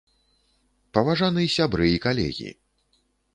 Паважаны сябры і калегі!